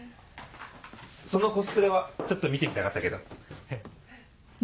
そのコスプレはちょっと見てみたかったけど。